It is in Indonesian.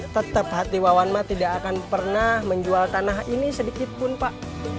tetap hati wawanma tidak akan pernah menjual tanah ini sedikit pun pak